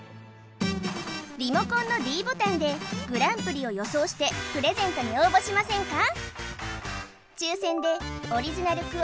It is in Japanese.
リモコンのｄボタンでグランプリを予想してプレゼントに応募しませんか？